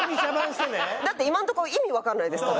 だって今のとこ意味わかんないですから。